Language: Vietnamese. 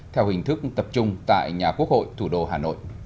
theo hình thức tập trung tại nhà quốc hội thủ đô hà nội